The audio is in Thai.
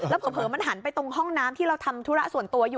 เผลอมันหันไปตรงห้องน้ำที่เราทำธุระส่วนตัวอยู่